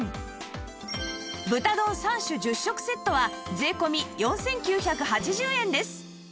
豚丼３種１０食セットは税込４９８０円です